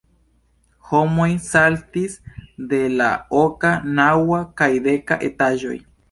Homoj saltis de la oka, naŭa, kaj deka etaĝoj.